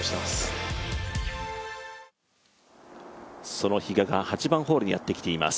その比嘉が８番ホールにやってきています。